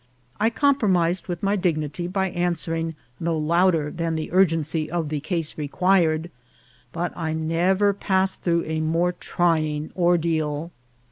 I compromised with my dignity by answering no"louder than the urgency of the case re quired, but I never passed through a more trying ordeal.